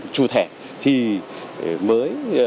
chụp thẻ thì mới